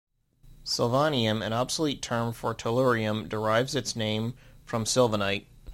Sylvanium, an obsolete term for tellurium, derived its name from sylvanite.